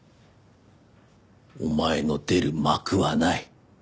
お前の出る幕はない。